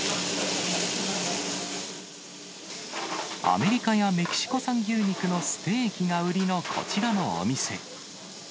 アメリカやメキシコ産牛肉のステーキが売りのこちらのお店。